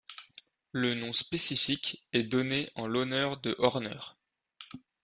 Le nom spécifique est donné en l'honneur de Horner.